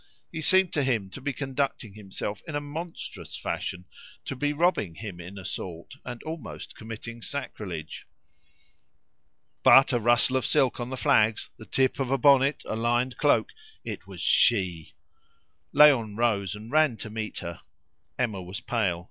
He seemed to him to be conducting himself in a monstrous fashion, to be robbing him in a sort, and almost committing sacrilege. But a rustle of silk on the flags, the tip of a bonnet, a lined cloak it was she! Léon rose and ran to meet her. Emma was pale.